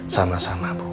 sama sama bu